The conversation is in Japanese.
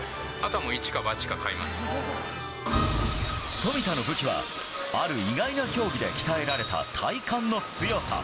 富田の武器はある意外な競技で鍛えられた体幹の強さ。